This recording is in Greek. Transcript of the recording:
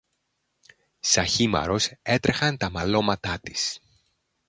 Σα χείμαρρος έτρεχαν τα μαλώματά της